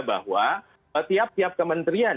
bahwa tiap tiap kementerian